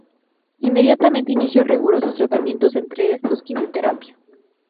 Inmediatamente inició rigurosos tratamientos, entre estos quimioterapia.